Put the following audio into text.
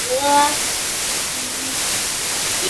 西单以西是民族文化宫以及民族饭店。